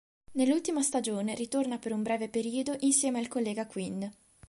Nell'ultima stagione ritorna per un breve periodo insieme al collega Quinn.